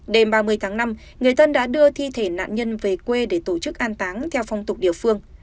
đêm ba mươi tháng năm người dân đã đưa thi thể nạn nhân về quê để tổ chức an táng theo phong tục địa phương